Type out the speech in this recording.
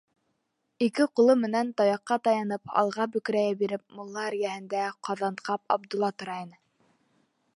Ике ҡулы менән таяҡҡа таянып, алға бөкрәйә биреп, мулла эргәһендә Ҡаҙанҡап Абдулла тора ине.